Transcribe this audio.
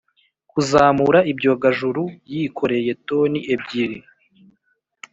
kuzamura ibyogajuru yikoreye toni ebyiri